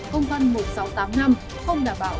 công văn một nghìn sáu trăm tám mươi năm không đảm bảo